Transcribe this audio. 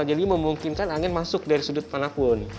jadi memungkinkan angin masuk dari sudut manapun